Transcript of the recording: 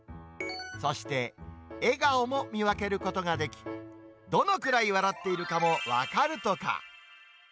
そして、笑顔も見分けることができ、どのくらい笑っているかも分かるとか。